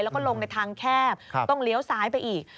แล้วก็ลงในทางแคบต้องเลี้ยวซ้ายไปอีก